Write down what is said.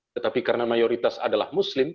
tetapi karena mayoritas adalah muslim